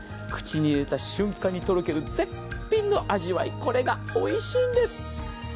口に入れた瞬間にとろける絶品の味わい、これがおいしいんです。